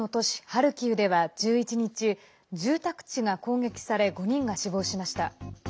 ハルキウでは、１１日住宅地が攻撃され５人が死亡しました。